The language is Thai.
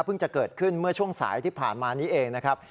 จะเกิดขึ้นเมื่อช่วงสายที่ผ่านมานี้เองนะครับ